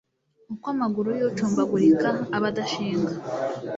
uko amaguru y'ucumbagurika aba adashinga